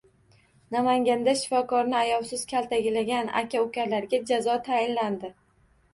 Namanganda shifokorni ayovsiz kaltaklagan aka-ukalarga jazo tayinlandi